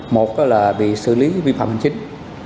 một là bị xử lý vi phạm hình chính